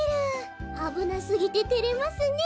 あぶなすぎててれますね。